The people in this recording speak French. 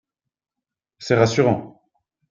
C’est rassurant